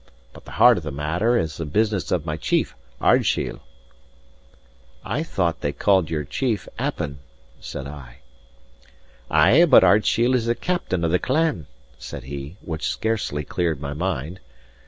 But the heart of the matter is the business of my chief, Ardshiel." "I thought they called your chief Appin," said I. "Ay, but Ardshiel is the captain of the clan," said he, which scarcely cleared my mind.